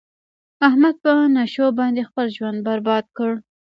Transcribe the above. احمد په نشو باندې خپل ژوند برباد کړ.